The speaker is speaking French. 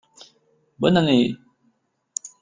Bonne année !